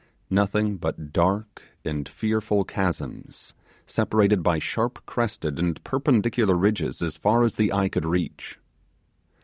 Nothing but dark and fearful chasms, separated by sharp crested and perpendicular ridges as far as the eye could reach.